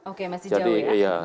oke masih jauh ya